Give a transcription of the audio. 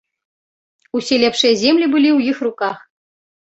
Усе лепшыя землі былі ў іх руках.